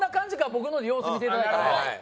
僕ので様子見ていただいたら。